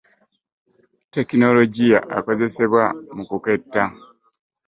tekinologiya akozesebwa mu kuketta.